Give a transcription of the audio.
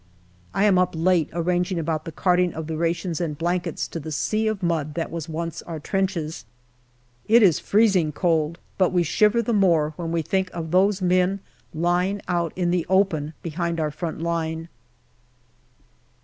I am up late arranging about the carting of the rations and blankets to the sea of mud that was once our trenches. It is freezing cold, but we shiver the more when we think of those men lying out in the open behind our front line.